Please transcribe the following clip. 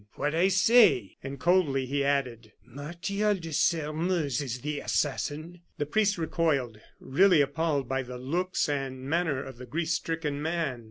"What I say." And coldly, he added: "Martial de Sairmeuse is the assassin." The priest recoiled, really appalled by the looks and manner of the grief stricken man.